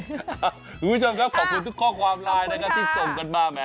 คุณผู้ชมครับขอบคุณทุกข้อความไลน์นะครับที่ส่งกันมา